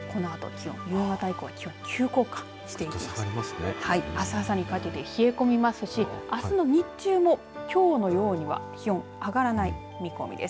あす朝にかけて冷え込みますしあすの日中もきょうのようには気温、上がらない見込みです。